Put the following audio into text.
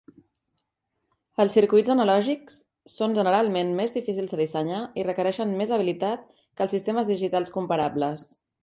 Els circuits analògics són generalment més difícils de dissenyar i requereixen més habilitat que els sistemes digitals comparables.